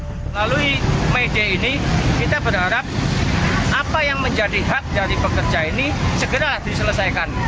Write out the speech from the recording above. melalui media ini kita berharap apa yang menjadi hak dari pekerja ini segera diselesaikan